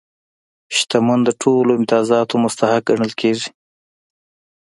شتمن د ټولو امتیازاتو مستحق ګڼل کېږي.